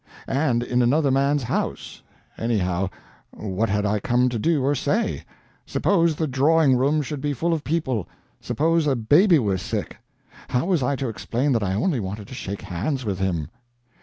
And in another man's house—anyhow, what had I come to do or say? Suppose the drawing room should be full of people,—suppose a baby were sick, how was I to explain that I only wanted to shake hands with him?